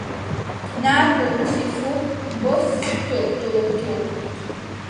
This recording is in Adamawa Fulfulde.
Naa ko rufi fuu ɓoftodottoo.